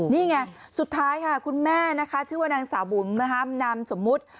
นี่ไงสุดท้ายค่ะคุณแม่นะคะชื่อว่านางสาวบุ๋มนะคะนามสมมุติ